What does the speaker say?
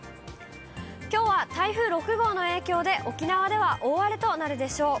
きょうは台風６号の影響で、沖縄では大荒れとなるでしょう。